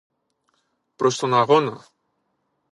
Προς τον αγώνα